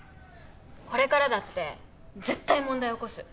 これからだって絶対問題起こす。